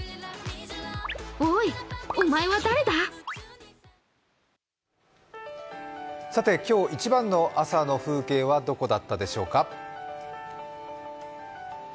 おい、お前は誰だ今日一番の朝の風景はどこだったでしょうか？